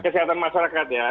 kesehatan masyarakat ya